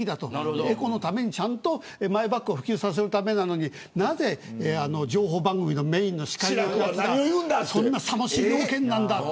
エコのためにマイバッグを普及させるべきなのになぜ情報番組のメーンの司会がそんな、さもしい了見なんだと。